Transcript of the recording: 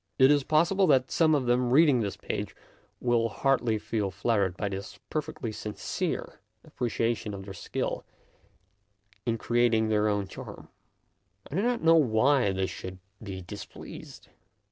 It is pos sible that some of them reading this page will hardly feel flattered by this perfectly sincere appreciation of their skill in creat ing their own charm. I do not know why they should be displeased.